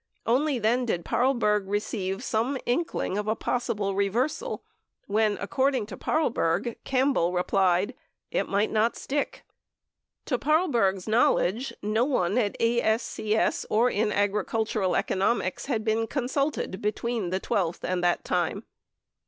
Only then did Paarlberg receive some inkling of a possible reversal when, according to Paarlberg, Campbell replied : "It might not stick." 98 To Paarlberg's knowledge, no one at ASCS or in Agricultural Economics had been consulted between the 12th and that time.